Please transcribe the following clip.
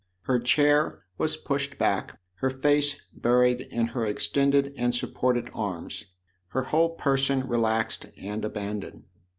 Her chair was pushed back, her face buried in her extended and supported arms, her THE OTHER HOUSE il whole person relaxed and abandoned.